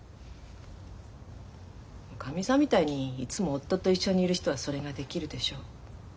おかみさんみたいにいつも夫と一緒にいる人はそれができるでしょう。